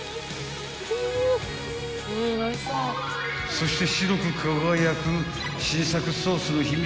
［そして］